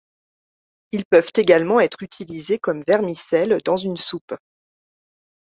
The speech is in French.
Ils peuvent également être utilisés comme vermicelles dans une soupe.